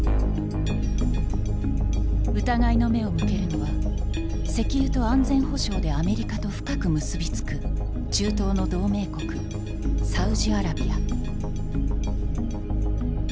疑いの目を向けるのは石油と安全保障でアメリカと深く結びつく中東の同盟国サウジアラビア。